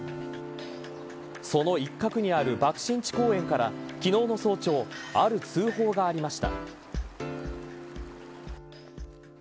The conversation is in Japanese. その一角にある爆心地公園から昨日の早朝ある通報がありました。